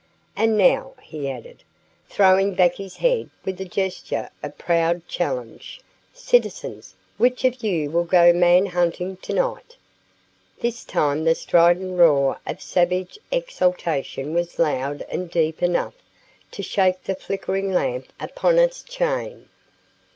And now," he added, throwing back his head with a gesture of proud challenge, "citizens, which of you will go man hunting to night?" This time the strident roar of savage exultation was loud and deep enough to shake the flickering lamp upon its chain.